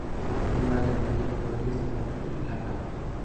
Fue madre de María Rodríguez de Monroy, "la Brava".